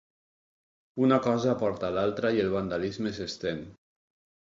Una cosa porta a l'altra i el vandalisme s'estén.